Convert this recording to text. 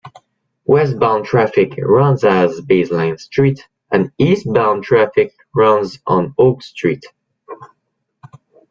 Westbound traffic runs as Baseline Street and eastbound traffic runs on Oak Street.